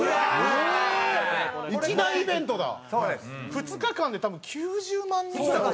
２日間で多分９０万人。